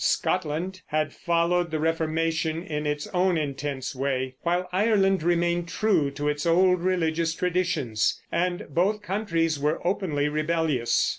Scotland had followed the Reformation in its own intense way, while Ireland remained true to its old religious traditions, and both countries were openly rebellious.